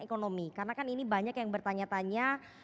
ekonomi karena kan ini banyak yang bertanya tanya